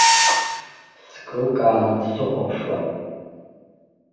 Скылкааны дсыхәаԥшуан.